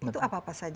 itu apa apa saja